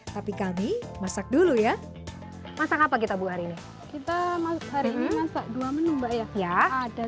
tapi kami masak dulu ya masak apa kita buat ini kita hari ini masak dua menu mbak ya ada